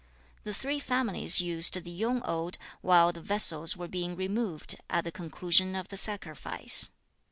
The three families used the YUNG ode, while the vessels were being removed, at the conclusion of the sacrifice.